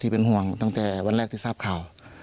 เป็นห่วงตั้งแต่วันแรกที่ทราบข่าว